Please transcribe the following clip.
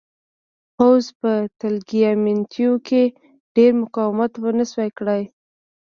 پوځ په تګلیامنیتو کې ډېر مقاومت ونه شوای کړای.